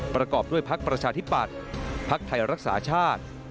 ประกอบด้วยพักประชาธิปัตย์พักไทยรักษาชาติ